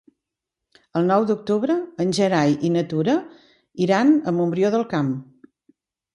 El nou d'octubre en Gerai i na Tura iran a Montbrió del Camp.